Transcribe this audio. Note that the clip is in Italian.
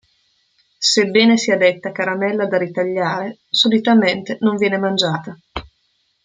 Sebbene sia detta caramella da ritagliare, solitamente non viene mangiata.